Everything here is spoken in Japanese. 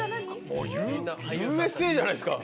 もうＵＳＡじゃないですか。